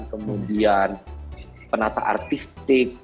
kemudian penata artistik